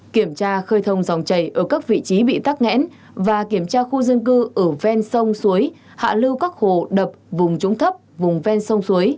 kiểm tra khơi thông dòng chảy ở các vị trí bị tắc nghẽn và kiểm tra khu dân cư ở ven sông suối hạ lưu các hồ đập vùng trúng thấp vùng ven sông suối